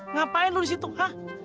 ngapain lo disitu hah